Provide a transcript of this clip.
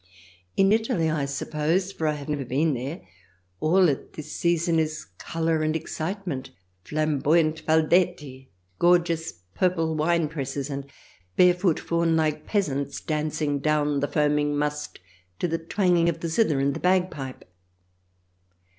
In Italy, I suppose — for I have never been there — all at this season is colour and excitement, flam boyant faldetti, gorgeous purple winepresses and barefoot, faun like peasants dancing down the foam ing must to the twanging of the zither and the bagpipe.